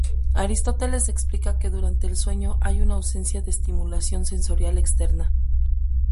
Aristóteles explica que durante el sueño hay una ausencia de estimulación sensorial externa.